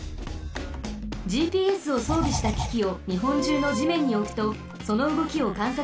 ＧＰＳをそうびしたききをにほんじゅうのじめんにおくとそのうごきをかんさつできます。